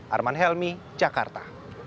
arman helmi jakarta